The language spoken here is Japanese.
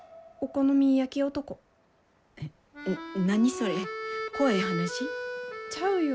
えっ何それ怖い話？ちゃうよ。